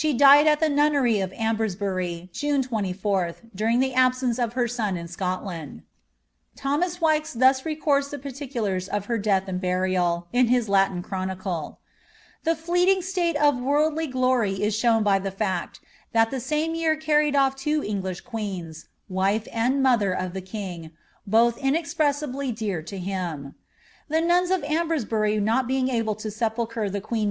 ied at the nunnery of Ambresbury, June 24th, during the absence r ton in Scotland. Thomas Wikes thus records the particulars of leath and burial, in his LAtin chronicle, ^^The fleeting state of ly glory is shown by the fact, that the same year carried off two ih queens, wife and mother of the king, both inexpressibly dear to The nnvs of Ambresbury not being able to seputare the queen